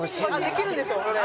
できるんですよそれ。